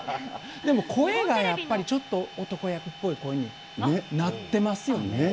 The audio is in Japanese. でも声がやっぱりちょっと、男役っぽい声になってますよね。